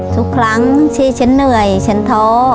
ทุกครั้งที่ฉันเหนื่อยฉันท้อ